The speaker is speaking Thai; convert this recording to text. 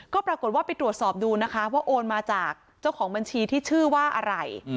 ก็ปรากฏว่าไปตรวจสอบดูนะคะว่าโอนมาจากเจ้าของบัญชีที่ชื่อว่าอะไร